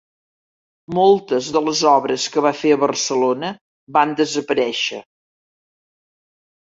Moltes de les obres que va fer a Barcelona van desaparèixer.